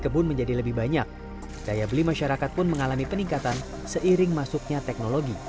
kebun menjadi lebih banyak daya beli masyarakat pun mengalami peningkatan seiring masuknya teknologi